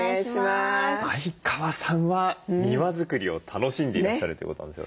相川さんは庭づくりを楽しんでいらっしゃるということなんですよね。